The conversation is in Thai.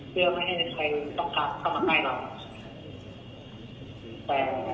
เพื่อไม่ให้ใครต้องกลับเข้ามาใกล้เรา